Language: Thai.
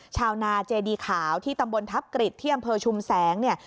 ชาวนาเจดีขาวที่ตำบลทัพกฤษที่อำเภอชุมแสงเนี่ย